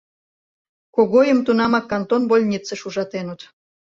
Когойым тунамак кантон больницыш ужатеныт.